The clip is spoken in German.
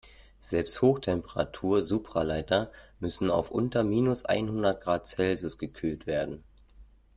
Selbst Hochtemperatur-Supraleiter müssen auf unter minus einhundert Grad Celsius gekühlt werden.